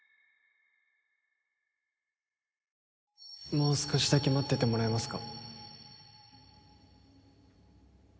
もう少しだけ待っててもらえますか？